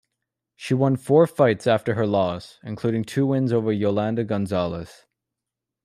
She won four fights after her loss, including two wins over Yolanda Gonzalez.